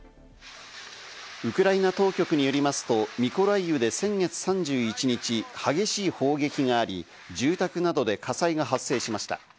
ウクライナ当局によりますと、ミコライウで先月３１日、激しい砲撃があり、住宅などで火災が発生しました。